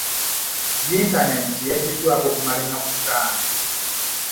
Yintaneeti yaggiddwako okumala ennaku ttaano.